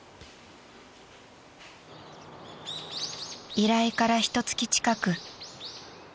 ［依頼からひと月近く］